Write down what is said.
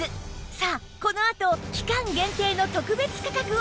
さあこのあと期間限定の特別価格を発表！